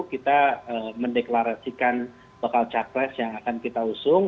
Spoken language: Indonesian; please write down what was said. kita mendeklarasikan bakal capres yang akan kita usung